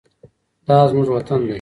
دا زموږ وطن دی.